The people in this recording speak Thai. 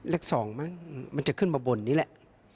เลข๒มันจะขึ้นมาบนนี่แหละ